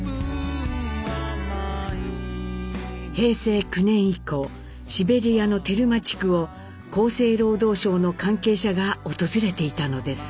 平成９年以降シベリアのテルマ地区を厚生労働省の関係者が訪れていたのです。